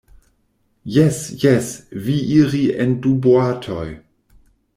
Jes, jes, vi iri en du boatoj.